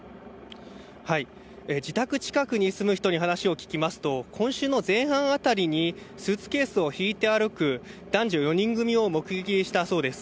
自宅近くに住む人に話を聞きますと、今週の前半あたりに、スーツケースを引いて歩く男女４人組を目撃したそうです。